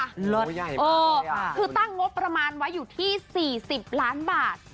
โอ้โหใหญ่มากคุณพี่คือตั้งงบประมาณไว้อยู่ที่๔๐ล้านบาท